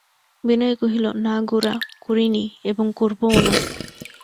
বিনয় কহিল, না গোরা, করি নি, এবং করবও না।